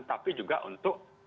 tapi juga untuk